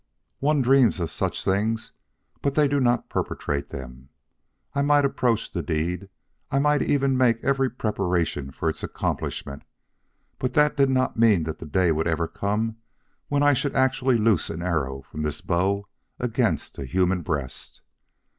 One dreams of such things but they do not perpetrate them. I might approach the deed, I might even make every preparation for its accomplishment, but that did not mean that the day would ever come when I should actually loose an arrow from this bow against a human breast.